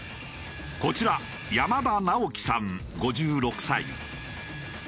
こちら山田直樹さん５６歳。